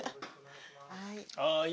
はい。